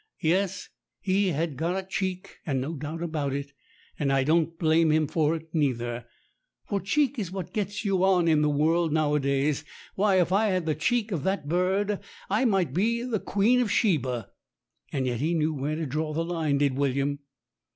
Yes, he had got a cheek and no doubt about it, and I don't blame him for it neither. For cheek is what gets you on in the world nowadays. Why, if I had the cheek of that bird, I might be the Queen of Sheba. And yet he knew where to draw the line, did William.